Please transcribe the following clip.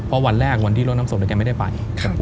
เพราะวันแรกวันที่รถน้ำศพแกไม่ได้ไป